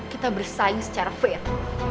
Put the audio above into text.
kita bersaing secara fair